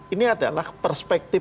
ini adalah perspektif